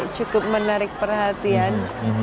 cukup menarik perhatian